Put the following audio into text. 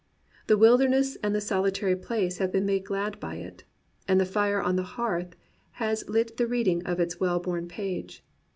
The uoilder ness and the solitary place have been made glad by it, und the fire on the hearth has lit the reading of its well worn page.